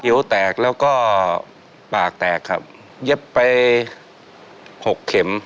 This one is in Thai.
ผิวแทกแล้วก็ปากแทกครับยับไป๖เข็ม